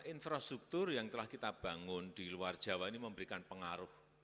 infrastruktur yang telah kita bangun di luar jawa ini memberikan pengaruh